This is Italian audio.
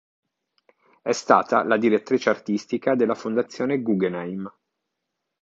È stata la direttrice artistica della Fondazione Guggenheim.